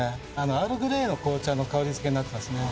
アールグレイの紅茶の香りづけになってますね